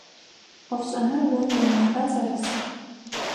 Ӏофшӏэныр о уиунэба зэрысыр?